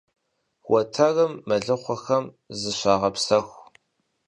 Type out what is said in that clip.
Уэтэрым мэлыхъуэхэм зыщагъэпсэху.